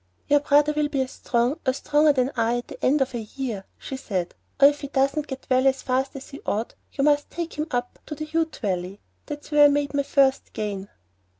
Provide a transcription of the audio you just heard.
"Your brother will be as strong, or stronger than I at the end of a year," she said; "or if he doesn't get well as fast as he ought, you must take him up to the Ute Valley. That's where I made my first gain."